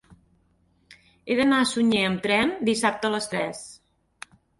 He d'anar a Sunyer amb tren dissabte a les tres.